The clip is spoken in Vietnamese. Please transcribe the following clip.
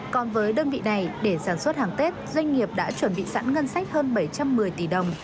còn với đơn vị này để sản xuất hàng tết doanh nghiệp đã chuẩn bị sẵn ngân sách hơn bảy trăm một mươi tỷ đồng